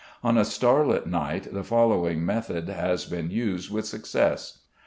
On a starlight night the following method has been used with success.